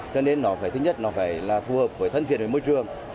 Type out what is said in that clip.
cho nên nó phải thứ nhất nó phải là phù hợp với thân thiện với môi trường